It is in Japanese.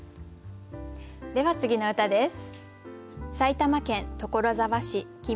では次の歌です。